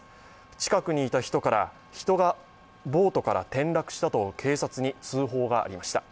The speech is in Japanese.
近くにいた人から、人がボートから転落したと警察に通報がありました。